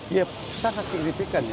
iya sangat signifikan ya